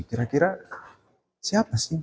kira kira siapa sih